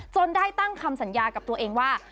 ได้ตั้งคำสัญญากับตัวเองว่า